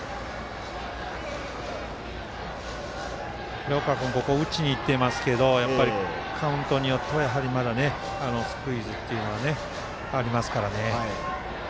広川君打ちにいってますけどカウントによっては、まだスクイズというのはありますから。